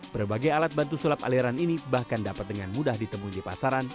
berbagai alat bantu sulap aliran ini bahkan dapat dengan mudah ditemui di pasaran